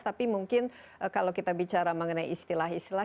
tapi mungkin kalau kita bicara mengenai istilah istilah